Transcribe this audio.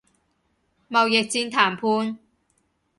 貿易戰談判